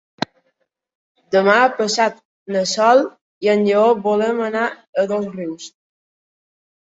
Demà passat na Sol i en Lleó volen anar a Dosrius.